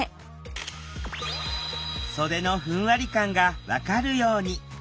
袖のふんわり感が分かるように。